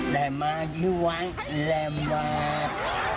แต่มาชิ้นวันแหลมแหวด